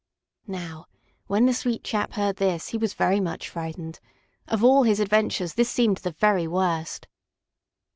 Now, when the sweet chap heard this he was very much frightened. Of all his adventures this seemed the very worst!